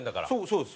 そうです。